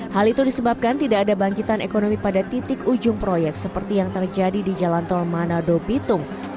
hal itu disebabkan tidak ada bangkitan ekonomi pada titik ujung proyek seperti yang terjadi di jalan tol manado bitung